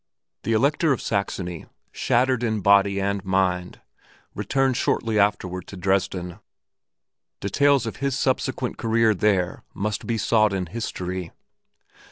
The Elector of Saxony, shattered in body and mind, returned shortly afterward to Dresden; details of his subsequent career there must be sought in history.